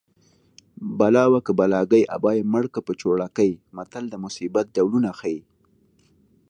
بلا وه که بلاګۍ ابا یې مړکه په چوړکۍ متل د مصیبت ډولونه ښيي